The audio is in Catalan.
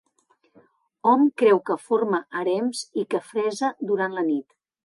Hom creu que forma harems i que fresa durant la nit.